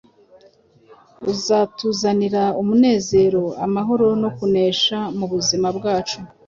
uzatuzanira umunezero, amahoro no kunesha mu buzima bwacu